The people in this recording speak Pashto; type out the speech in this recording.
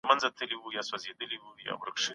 يو سياستوال نسي کولای يوازي ټولنه بدله کړي.